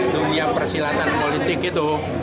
dunia persilatan politik itu